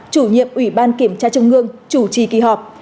chủ nhiệm ủy ban kiểm tra trung ương chủ trì kỳ họp